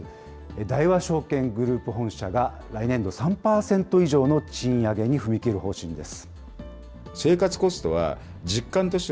大和証券グループ本社が、来年度３％以上の賃上げに踏み切る方針です。